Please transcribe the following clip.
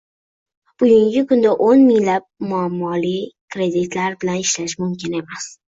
Bugungi kunda o'n minglab muammoli kreditlar bilan ishlash mumkin emas